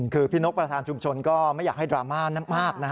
คือพี่นกประธานชุมชนก็ไม่อยากให้ดราม่านักมาก